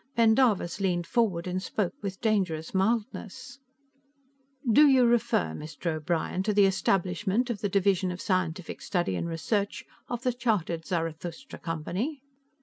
Pendarvis leaned forward and spoke with dangerous mildness: "Do you refer, Mr. O'Brien, to the establishment of the Division of Scientific Study and Research of the chartered Zarathustra Company?"